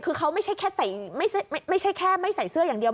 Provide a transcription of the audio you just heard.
คือเขาไม่ใช่แค่ไม่ใช่แค่ไม่ใส่เสื้ออย่างเดียว